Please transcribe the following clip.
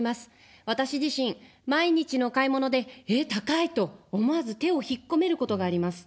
私自身、毎日の買い物で、え、高いと思わず手を引っ込めることがあります。